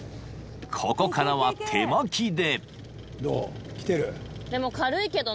［ここからは手巻きで］